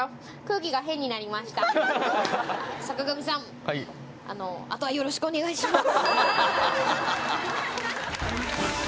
あのはいあとはよろしくお願いします